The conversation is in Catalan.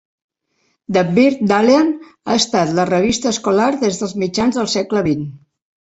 "The Birkdalian" ha estat la revista escolar des de mitjans segle XX.